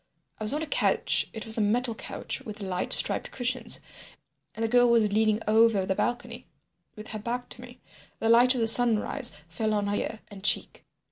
I was on a couch—it was a metal couch with light striped cushions—and the girl was leaning over the balcony with her back to me. The light of the sunrise fell on her ear and cheek.